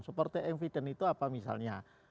supporting evidence itu apa misalnya